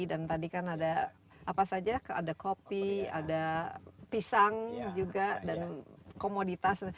dan tadi kan ada apa saja ada kopi ada pisang juga dan komoditas